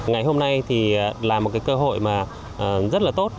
ngày hôm nay thì là một cái cơ hội mà rất là tốt